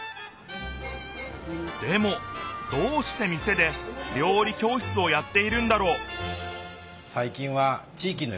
でもどうして店で料理教室をやっているんだろう？